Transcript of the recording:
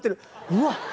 うわっ！